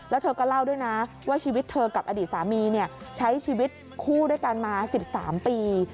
แล้วเธอก็เล่าด้วยนะว่าชีวิตเธอกับอดีตสามีใช้ชีวิตคู่ด้วยกันมา๑๓ปี